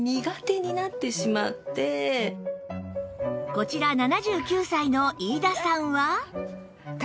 こちら７９歳の飯田さんは